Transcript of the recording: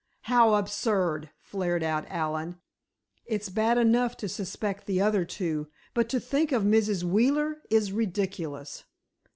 "How absurd!" flared out Allen. "It's bad enough to suspect the other two, but to think of Mrs. Wheeler is ridiculous!"